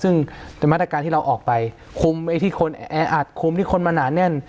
ซึ่งสถานการณ์ที่เราออกไปคุมที่คนแออัดคุมที่คนมะหนาแน่น